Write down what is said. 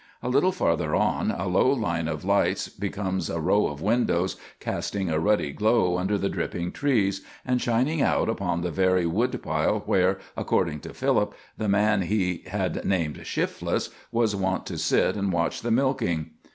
A little farther on a low line of lights becomes a row of windows casting a ruddy glow under the dripping trees, and shining out upon the very wood pile where, according to Philip, the man he had named "Shifless" was wont to sit and watch the milking.